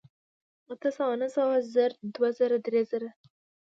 اتۀ سوه نهه سوه زر دوه زره درې زره